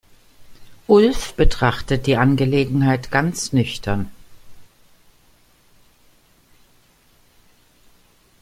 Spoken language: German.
Ulf betrachtet die Angelegenheit ganz nüchtern.